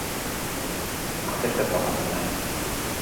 أعط القط بعض اللحم.